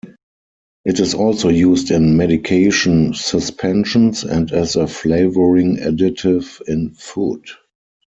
It is also used in medication suspensions, and as a flavoring additive in food.